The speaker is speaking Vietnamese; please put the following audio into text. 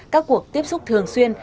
các cuộc tiếp xúc thường xuyên